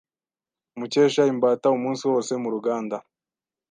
Mukesha imbata umunsi wose muruganda.